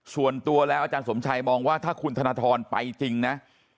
ส่วนตัวแล้วอาจารย์สมชัยมองว่าถ้าคุณธนทรไปจริงนะ